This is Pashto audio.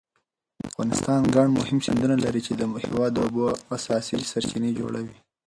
افغانستان ګڼ مهم سیندونه لري چې د هېواد د اوبو اساسي سرچینې جوړوي.